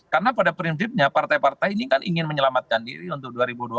karena pada prinsipnya partai partai ini kan ingin menyelamatkan diri untuk dua ribu dua puluh empat